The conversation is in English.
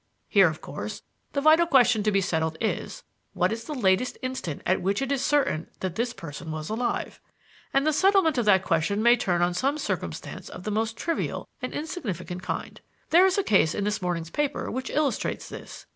"Here, of course, the vital question to be settled is, what is the latest instant at which it is certain that this person was alive? And the settlement of that question may turn on some circumstance of the most trivial and insignificant kind. There is a case in this morning's paper which illustrates this.